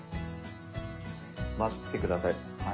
待ってください。